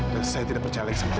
dan saya tidak percaya lagi sama itu